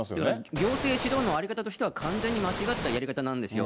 行政指導の在り方としては、完全に間違ったやり方なんですよ。